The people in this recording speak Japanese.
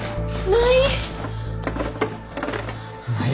ない。